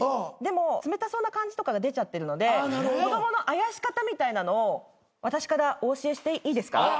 でも冷たそうな感じとかが出ちゃってるので子供のあやし方みたいなのを私からお教えしていいですか？